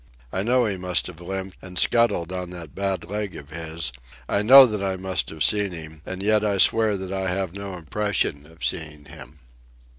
I know he must have limped and scuttled on that bad leg of his; I know that I must have seen him; and yet I swear that I have no impression of seeing him.